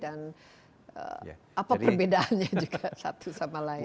dan apa perbedaannya juga satu sama lain